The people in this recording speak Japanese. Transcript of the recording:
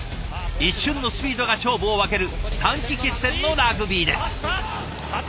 一瞬のスピードが勝負を分ける短期決戦のラグビーです。